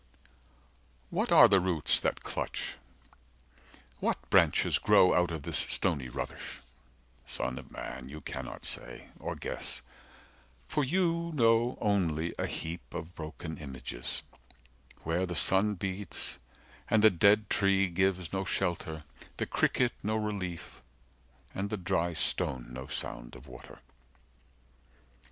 What are the roots that clutch, what branches grow Out of this stony rubbish? Son of man, 20 You cannot say, or guess, for you know only A heap of broken images, where the sun beats, And the dead tree gives no shelter, the cricket no relief, And the dry stone no sound of water.